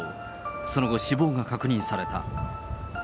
その後、死亡が確認された。